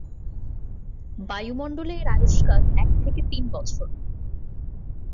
বায়ুমণ্ডলে এর আয়ুষ্কাল এক থেকে তিন বছর।